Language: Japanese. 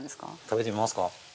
◆食べてみますか。